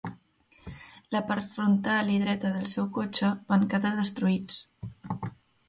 La part frontal i dreta del seu cotxe van quedar destruïts.